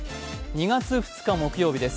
２月２日木曜日です。